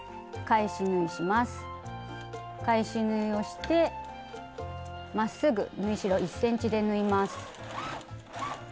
返し縫いをしてまっすぐ縫い代１ｃｍで縫います。